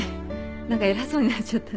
何か偉そうになっちゃったね。